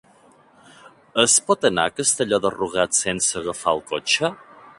Es pot anar a Castelló de Rugat sense agafar el cotxe?